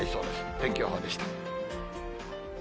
天気予報でした。